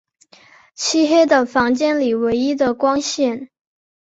漆黑的房里唯一的光线